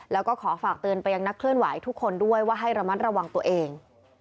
แล้วก็ขอฝากเตือนไปยังนักเคลื่อนไหวทุกคนด้วยว่าให้ระมัดระวังตัวเอง